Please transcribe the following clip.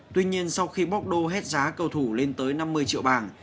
tuy nhiên sau khi bóc đô hết giá cầu thủ lên tới năm mươi triệu bảng